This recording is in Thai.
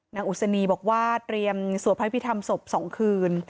อุศนีบอกว่าเตรียมสวดพระพิธรรมศพ๒คืน